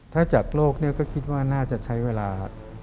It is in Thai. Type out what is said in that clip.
ถ้าจากโลกก็คิดว่าน่าจะใช้เวลา